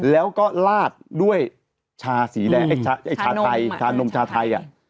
แล้วก็ลาดด้วยชาสีแดงชานมชาไทย